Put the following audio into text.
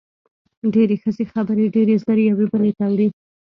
ډېری ښځې خبرې ډېرې زر یوې بلې ته وړي.